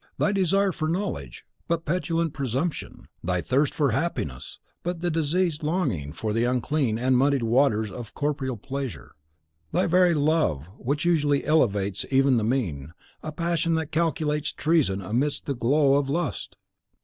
Thy desire for knowledge, but petulant presumption; thy thirst for happiness, but the diseased longing for the unclean and muddied waters of corporeal pleasure; thy very love, which usually elevates even the mean, a passion that calculates treason amidst the first glow of lust.